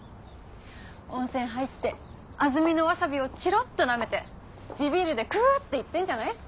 温泉入って安曇野わさびをちろっとなめて地ビールでクゥッ！っていってるんじゃないですか？